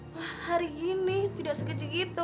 wah hari ini tidak sekecik itu